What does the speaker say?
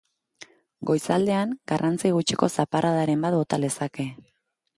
Goizaldean garrantzi gutxiko zaparradaren bat bota lezake.